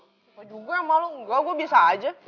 siapa juga yang malu nggak gue bisa aja